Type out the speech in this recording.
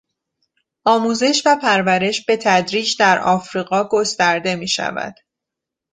آموزش و پرورش به تدریج در افریقا گسترده میشود.